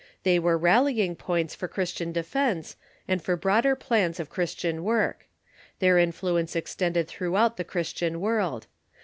They were rallying points for Christian defence, and for broader General ^Aans of Christian work. Their influence extended Tendency ^ throughout the Christian world.